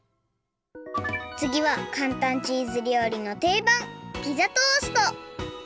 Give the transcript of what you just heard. つぎはかんたんチーズ料理のていばんピザトースト！